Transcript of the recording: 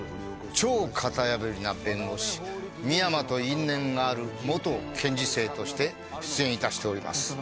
超型破りな弁護士深山と因縁がある元検事正として出演いたしております